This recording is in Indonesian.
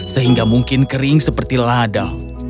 sehingga mungkin kering seperti lada